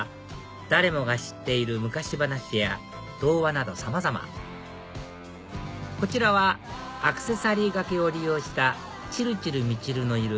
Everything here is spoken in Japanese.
誰もが知っている昔話や童話などさまざまこちらはアクセサリーがけを利用したチルチルミチルのいる